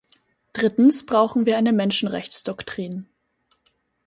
Drittens brauchen wir eine Menschenrechtsdoktrin.